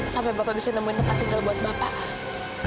sampai bapak bisa nemuin tempat tinggal buat bapak